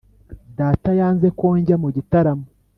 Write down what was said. data yanze ko njya mu gitaramo.